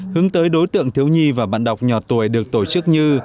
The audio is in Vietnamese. hướng tới đối tượng thiếu nhi và bạn đọc nhỏ tuổi được tổ chức như